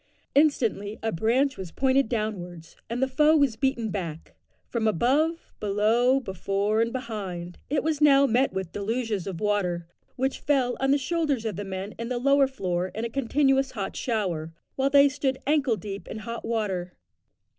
Instantly a branch was pointed downwards, and the foe was beaten back; from above, below, before, and behind, it was now met with deluges of water, which fell on the shoulders of the men in the lower floor in a continuous hot shower, while they stood ankle deep in hot water.